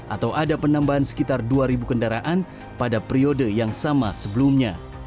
atau ada penambahan sekitar dua kendaraan pada periode yang sama sebelumnya